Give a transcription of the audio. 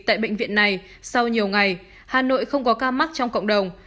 tại bệnh viện này sau nhiều ngày hà nội không có ca mắc trong cộng đồng